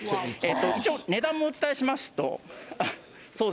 一応、値段もお伝えしますと。